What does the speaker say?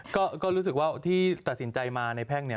ก็รู้สึกว่าที่ตัดสินใจมาในแพ่งเนี่ย